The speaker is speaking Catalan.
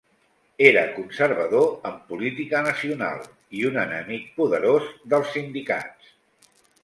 Era conservador en política nacional i un enemic poderós dels sindicats.